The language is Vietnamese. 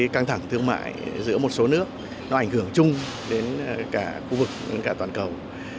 căng thẳng thương mại giữa một số nước nó ảnh hưởng chung đến cả khu vực đến cả toàn cầu